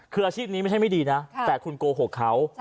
คืออาชีพนี้ไม่ใช่ไม่ดีนะแต่คุณโกหกเขา